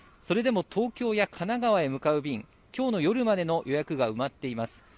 それでも東京や神奈川へ向かう便、きょうの夜までの予約が埋まっています。